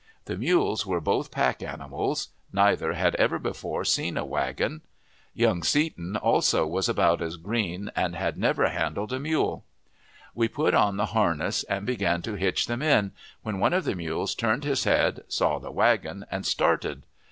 The mules were both pack animals; neither had ever before seen a wagon. Young Seton also was about as green, and had never handled a mule. We put on the harness, and began to hitch them in, when one of the mules turned his head, saw the wagon, and started.